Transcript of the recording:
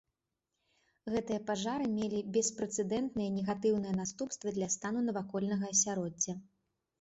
Гэтыя пажары мелі беспрэцэдэнтныя негатыўныя наступствы для стану навакольнага асяроддзя.